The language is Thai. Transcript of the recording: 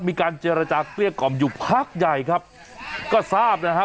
มีการเจรจาเกลี้ยกล่อมอยู่พักใหญ่ครับก็ทราบนะฮะ